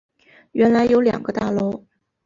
原来有两个大楼